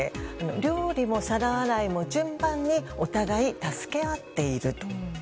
料理も皿洗いも順番にお互い助け合っていると。